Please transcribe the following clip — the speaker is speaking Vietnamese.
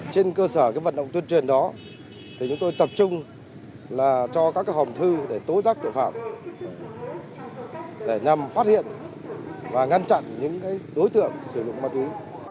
trên cơ sở cái vận động tuyên truyền đó thì chúng tôi tập trung là cho các hồng thư để tối giác tội phạm để nhằm phát hiện và ngăn chặn những đối tượng sử dụng ma túy